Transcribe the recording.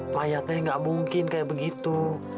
kayaknya tidak mungkin begitu